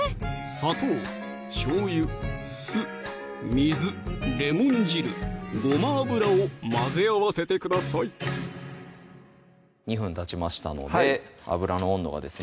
砂糖・しょうゆ・酢・水・レモン汁・ごま油を混ぜ合わせてください２分たちましたので油の温度がですね